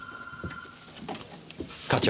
課長。